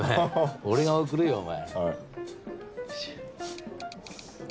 俺が送るよお前。